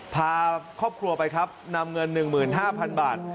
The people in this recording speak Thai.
พาครอบครัวไปครับนำเงิน๑๕๐๐๐บาท